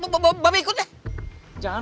bapak ikut ya